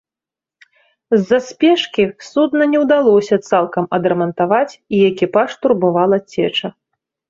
З-за спешкі судна не ўдалося цалкам адрамантаваць, і экіпаж турбавала цеча.